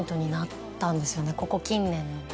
ここ近年の。